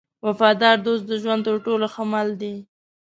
وفادار دوست د ژوند تر ټولو ښه مل دی.